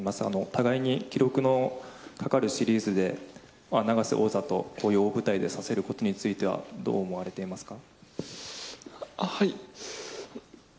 互いに記録のかかるシリーズで永瀬王座とこういう大舞台で指せることについてはどう思っていますか。